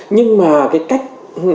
nhưng mà cái cách